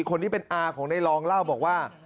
คนนี้เป็นอาของในรองเล่าบอกว่า